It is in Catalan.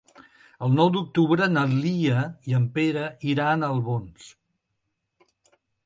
El nou d'octubre na Lia i en Pere iran a Albons.